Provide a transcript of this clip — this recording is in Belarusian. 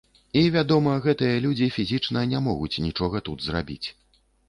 І, вядома, гэтыя людзі фізічна не могуць нічога тут зрабіць.